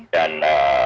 dan juga pemirsa lombok